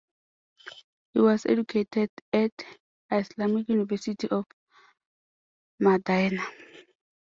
He was educated at Islamic University of Madinah.